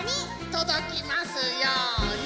とどきますように。